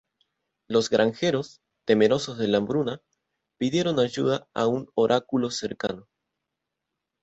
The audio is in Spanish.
Los granjeros, temerosos de la hambruna, pidieron ayuda a un oráculo cercano.